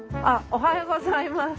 おはようございます。